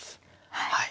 はい。